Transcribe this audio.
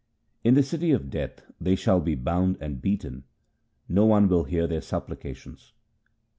In the city of Death they shall be bound and beaten ; no one will hear their supplications.